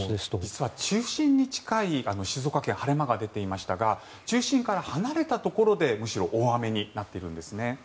実は中心に近い静岡県晴れ間が出ていましたが中心から離れたところでむしろ大雨になっているんですね。